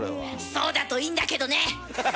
そうだといいんだけどね！